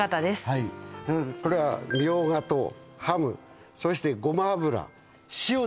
はいこれはみょうがとハムそしてゴマ油塩です